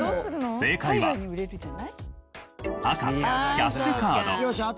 正解は赤キャッシュカード。